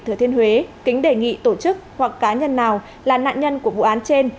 thừa thiên huế kính đề nghị tổ chức hoặc cá nhân nào là nạn nhân của vụ án trên